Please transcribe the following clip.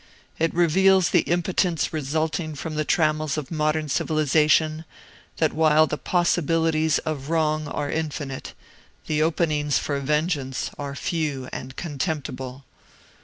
It reveals the impotence resulting from the trammels of modern civilization, that while the possibilities of wrong are infinite, the openings for vengeance are few and contemptible.